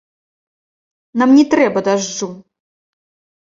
Нам не трэба дажджу!